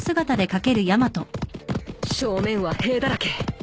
正面は兵だらけ。